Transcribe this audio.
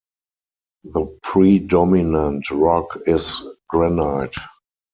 The predominant rock is granite.